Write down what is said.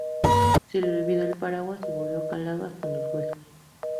Se le olvidó el paraguas y volvió calado hasta los huesos